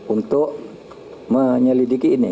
untuk menyelidiki ini